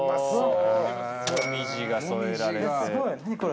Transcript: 紅葉が添えられて。